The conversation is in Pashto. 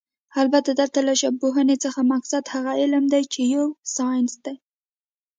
البته دلته له ژبپوهنې څخه مقصد هغه علم دی چې يو ساينس دی